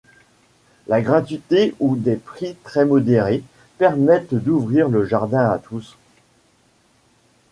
La gratuité, ou des prix très modérés, permettent d'ouvrir le jardin à tous.